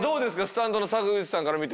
スタントの坂口さんから見て。